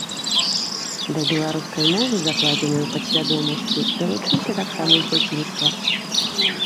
Да беларускай мовы, закладзенай у падсвядомасці, далучыўся таксама з дзяцінства.